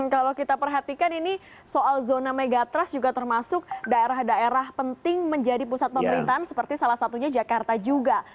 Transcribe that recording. kalau kita perhatikan ini soal zona megatrust juga termasuk daerah daerah penting menjadi pusat pemerintahan seperti salah satunya jakarta juga